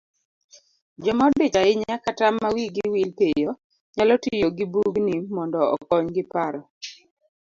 Joma odich ahinya kata ma wigi wil piyo, nyalo tiyo gibugni mondo okonygi paro